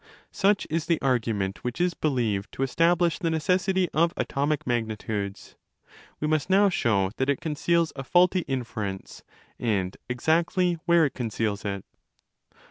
Such is the argument which is believed to establish the necessity of atomic magnitudes: we must now show that it conceals a faulty inference, and exactly where it conceals it.